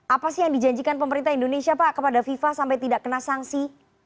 apa sih yang dijanjikan pemerintah indonesia pak kepada fifa sampai tidak kena sanksi